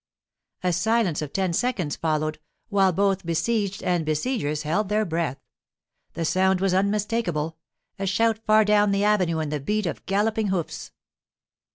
A silence of ten seconds followed, while both besieged and besiegers held their breath. The sound was unmistakable—a shout far down the avenue and the beat of galloping hoofs.